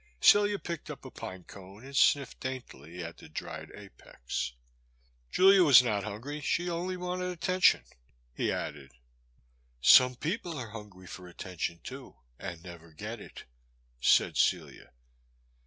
Celia picked up a pine cone and sniffed daintily at the dried apex. Julia was not hungry ; she only wanted atten tion," he added. The Boy's Sister. 243 '* Some people are hungry for attention too, — and never get it, said Celia.